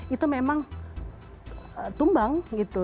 itu memang tumbang gitu